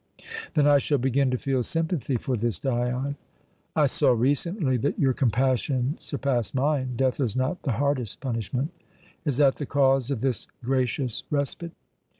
"Then I shall begin to feel sympathy for this Dion." "I saw recently that your compassion surpassed mine. Death is not the hardest punishment." "Is that the cause of this gracious respite?"